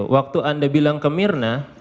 waktu anda bilang ke mirna